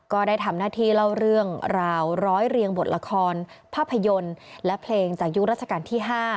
ก็ได้ทำหน้าที่เล่าเรื่องราวร้อยเรียงบทละครภาพยนตร์และเพลงจากยุครัชกาลที่๕